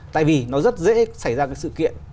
tại vì nó rất dễ xảy ra sự kiện